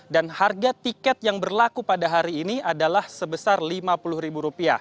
dan harga tiket yang berlaku pada hari ini adalah sebesar rp lima puluh